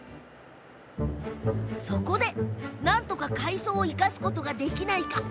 なんとか海藻を生かすことができないか。